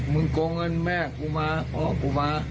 โกงเงินแม่กูมาพ่อกูมา